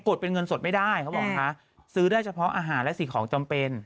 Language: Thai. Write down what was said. ดเป็นเงินสดไม่ได้เขาบอกนะคะซื้อได้เฉพาะอาหารและสิ่งของจำเป็น